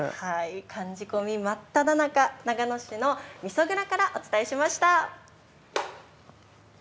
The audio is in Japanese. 寒仕込み真っただ中、長野市のみそ蔵からお伝えしました。